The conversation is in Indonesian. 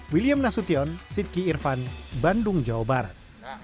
william nasution sidky irvan bandung jawa barat